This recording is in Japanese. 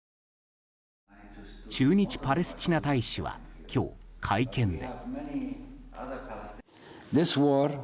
駐日パレスチナ大使は今日、会見で。